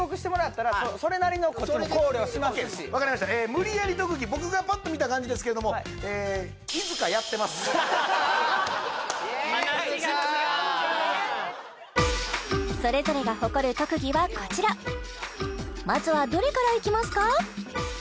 それはわかりました無理やり特技僕がパッと見た感じですけれどもえそれぞれが誇る特技はこちらまずはどれからいきますか？